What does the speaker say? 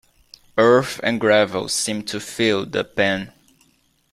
Earth and gravel seemed to fill the pan.